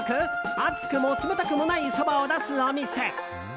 熱くも冷たくもないそばを出すお店。